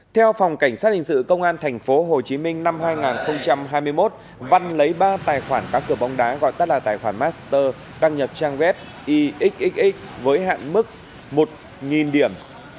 theo phòng cảnh sát hình sự công an tp hcm năm hai nghìn hai mươi một văn lấy ba tài khoản các cửa bóng đá gọi tắt là tài khoản master đăng nhập trang web ixx với hạn mức một điểm